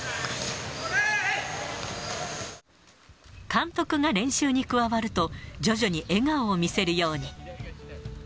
監督が練習に加わると、徐々に笑顔を見せるように。